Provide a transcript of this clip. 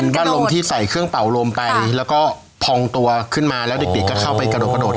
บ้านลมที่ใส่เครื่องเป่าลมไปแล้วก็พองตัวขึ้นมาแล้วเด็กก็เข้าไปกระโดดกระโดด